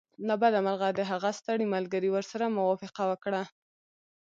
له بده مرغه د هغه ستړي ملګري ورسره موافقه وکړه